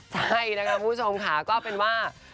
ใช่นะคะคุณผู้ชมค่ะก็เป็นว่า